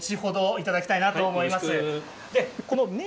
後ほどいただきたいなと思います。